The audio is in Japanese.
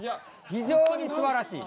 非常にすばらしい！